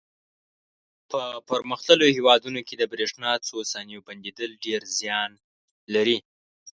په پرمختللو هېوادونو کې د برېښنا څو ثانیو بندېدل ډېر زیان لري.